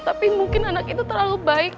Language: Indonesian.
tapi mungkin anak itu terlalu baik